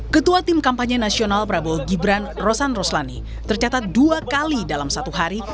ketua tim kampanye nasional prabowo gibran rosan roslani tercatat dua kali dalam satu hari